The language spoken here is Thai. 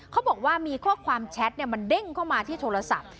เขาบอกว่ามีข้อความแชทมันเด้งเข้ามาที่โทรศัพท์